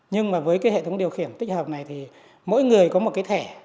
nhưng mà với cái hệ thống điều khiển tích hợp này thì mỗi người có một cái thẻ